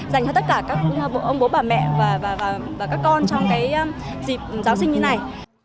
dành cho tất cả các ông bố bà mẹ và các con trong dịp giáng sinh như này